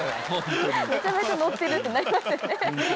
めちゃめちゃ乗ってるってなりますよね。